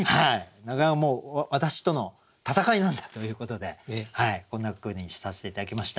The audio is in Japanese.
私との戦いなんだということでこんな句にさせて頂きました。